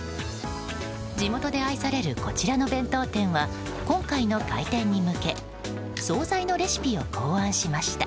地元で愛されるこちらの弁当店は今回の開店に向け総菜のレシピを考案しました。